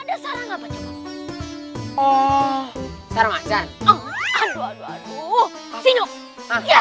ada sarang apa oh sarang acar aduh aduh aduh